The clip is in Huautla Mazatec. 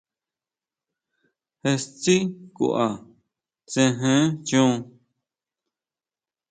Je tsí kʼua, tsejen chon.